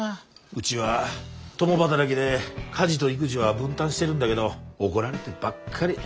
うちは共働きで家事と育児は分担してるんだけど怒られてばっかり。